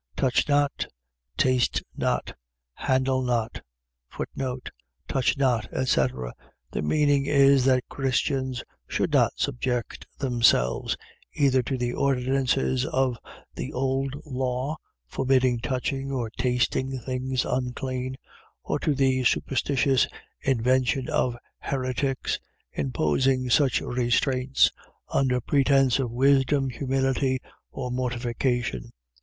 2:21. Touch not: taste not: handle not. Touch not, etc. . .The meaning is, that Christians should not subject themselves, either to the ordinances of the old law, forbidding touching or tasting things unclean; or to the superstitious invention of heretics, imposing such restraints, under pretence of wisdom, humility, or mortification.